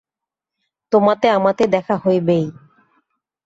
তােমাতে আমাতে দেখা হইবেই।